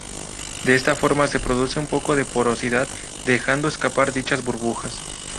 De esta forma se produce un poco de porosidad, dejando escapar dichas burbujas.